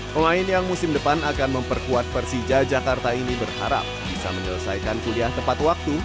pemain yang musim depan akan memperkuat persija jakarta ini berharap bisa menyelesaikan kuliah tepat waktu